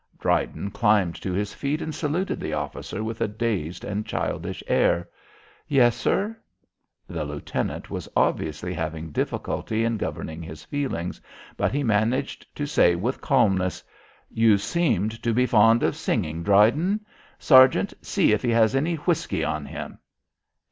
Dryden climbed to his feet and saluted the officer with a dazed and childish air. "Yes, sir." The lieutenant was obviously having difficulty in governing his feelings, but he managed to say with calmness, "You seem to be fond of singing, Dryden? Sergeant, see if he has any whisky on him."